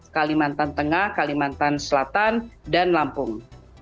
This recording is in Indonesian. kalimantan tengah kalimantan selatan dan lampung